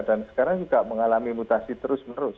dan sekarang juga mengalami mutasi terus menerus